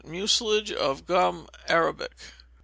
Mucilage of Gum Arabic.